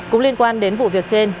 cũng liên quan đến vụ việc trên